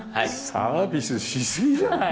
サービスしすぎじゃない！